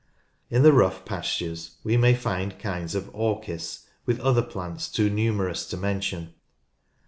In the rough pastures we may find many kinds of orchis, with other plants too numerous to mention.